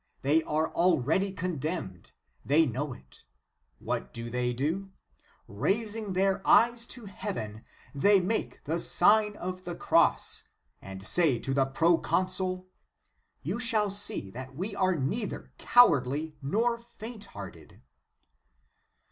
They are already condemned ; they know it. What do they do ? Raising their eyes to heaven they make the Sign of the Cross, and say to the proconsul, " You shall see that we are neither cowardly nor faint hearted.